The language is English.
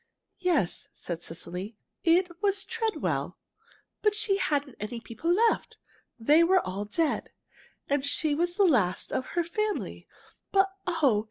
"Yes," said Cecily. "It was Treadwell. But she hadn't any people left they were all dead, and she was the last one of her family. But, oh!